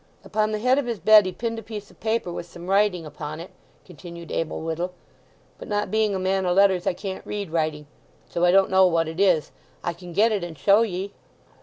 "Upon the head of his bed he pinned a piece of paper, with some writing upon it," continued Abel Whittle. "But not being a man o' letters, I can't read writing; so I don't know what it is. I can get it and show ye."